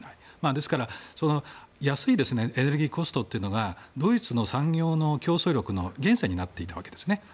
ですから安いエネルギーコストがドイツの産業の競争力の源泉になっていたわけですね。